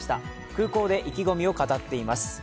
空港で意気込みを語っています。